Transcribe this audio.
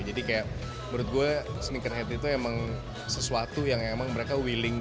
jadi kayak menurut gue sneakerhead itu emang sesuatu yang emang mereka willing